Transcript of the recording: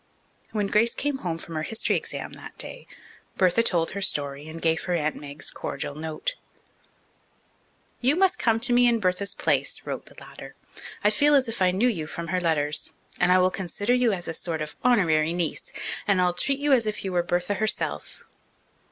When Grace came home from her history examination that day, Bertha told her story and gave her Aunt Meg's cordial note. "You must come to me in Bertha's place," wrote the latter. "I feel as if I knew you from her letters, and I will consider you as a sort of honorary niece, and I'll treat you as if you were Bertha herself."